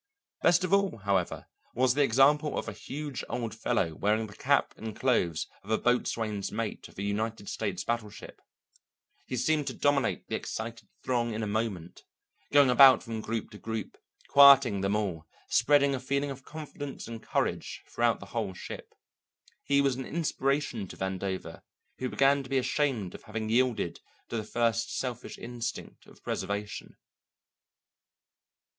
Best of all, however, was the example of a huge old fellow wearing the cap and clothes of a boatswain's mate of a United States battleship; he seemed to dominate the excited throng in a moment, going about from group to group, quieting them all, spreading a feeling of confidence and courage throughout the whole ship. He was an inspiration to Vandover, who began to be ashamed of having yielded to the first selfish instinct of preservation.